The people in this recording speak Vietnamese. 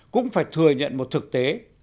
cũng phải thừa nhận một thực tế